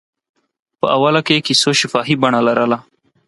په اوله کې کیسو شفاهي بڼه لرله.